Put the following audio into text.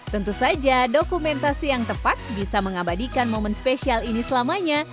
tentu saja dokumentasi yang tepat bisa mengabadikan momen spesial ini selamanya